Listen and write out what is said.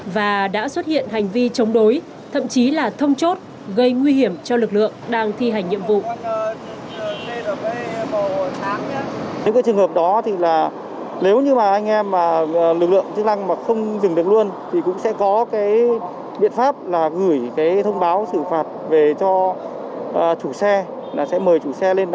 và đã xuất hiện hành vi chống đối thậm chí là thông chốt gây nguy hiểm cho lực lượng đang thi hành nhiệm vụ